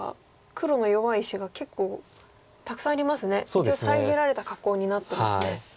一応遮られた格好になってますね。